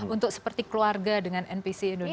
untuk seperti keluarga dengan npc indonesia